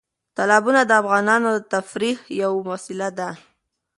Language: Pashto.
تالابونه د افغانانو د تفریح یوه وسیله ده.